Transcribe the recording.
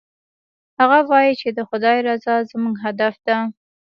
هغه وایي چې د خدای رضا زموږ هدف ده